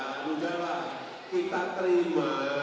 ya mudah lah kita terima